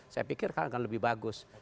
saya pikir akan lebih bagus